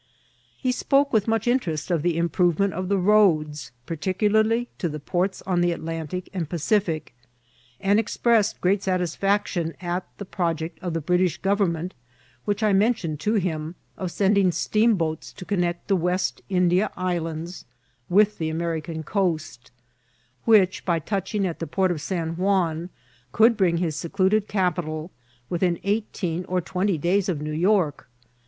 He qpoke with much interest of the im provement of the roads, particularly to the ports on the Atlantic and Pacific, and expressed great satisfaction at yiCISSITITDXS OV VORTVMX. 861 the project of the British govemment, ifdiich I mention ed to him, of sending steamboats to connect the West India Islands with the American coast, which, by touch* ing at the port of San Juan, could bring his secluded eapital within eighteen or twenty days of New York.